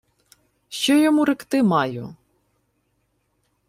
— Що йому ректи маю?